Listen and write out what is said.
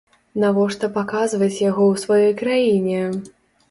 Навошта паказваць яго ў сваёй краіне?